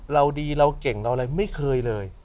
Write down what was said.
เราดีเราเก่งเราอะไรไม่เคยเลย